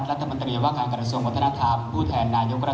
ถือว่าชีวิตที่ผ่านมายังมีความเสียหายแก่ตนและผู้อื่น